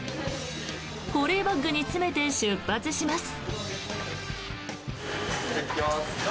保冷バッグに詰めて出発します。